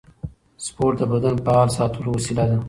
سپورت د بدن فعال ساتلو وسیله ده.